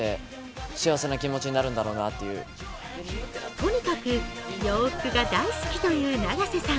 とにかく洋服が大好きという永瀬さん。